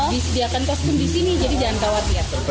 disediakan kostum di sini jadi jangan khawatir